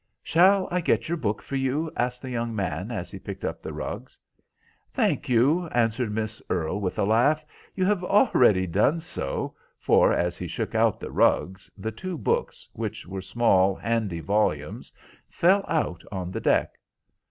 "Shall I get your book for you?" asked the young man, as he picked up the rugs. "Thank you," answered Miss Earle, with a laugh, "you have already done so," for, as he shook out the rugs, the two books, which were small handy volumes, fell out on the deck.